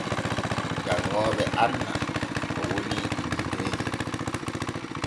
Janŋooɓe anna ko woni innitirgel.